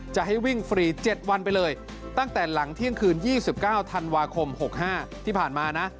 จะให้วิ่งฟรี๗วันไปเลยตั้งแต่หลังเที่ยงคืน๒๙ธันวาคม๖๕ที่ผ่านมานะ